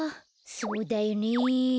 そうだよね。